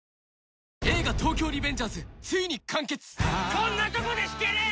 「こんなとこで引けねえ！」